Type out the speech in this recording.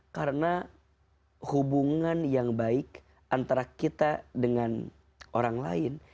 karena hubungan yang baik antara kita dengan orang lain